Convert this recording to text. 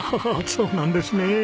そうなんですね。